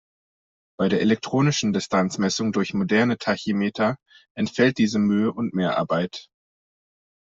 Bei der elektronischen Distanzmessung durch moderne Tachymeter entfällt diese Mühe und Mehrarbeit.